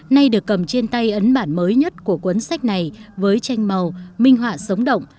nay được cầm trên tay ấn bản mới nhất của cuốn sách này với tranh màu minh họa sống động